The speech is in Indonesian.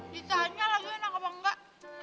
kitanya lagi enak apa enggak